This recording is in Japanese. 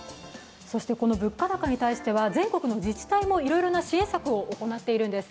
この物価高に対しては全国の自治体もいろいろな支援策を行っているんです。